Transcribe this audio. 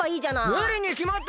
むりにきまってるだろ！